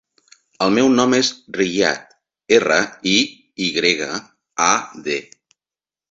El meu nom és Riyad: erra, i, i grega, a, de.